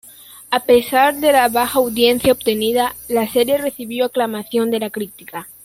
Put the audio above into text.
A pesar de la baja audiencia obtenida, la serie recibió aclamación de la crítica.